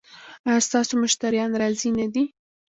ایا ستاسو مشتریان راضي نه دي؟